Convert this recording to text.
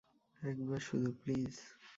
একবার শুধু, প্লিজ।